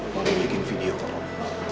mau bikin video ke bung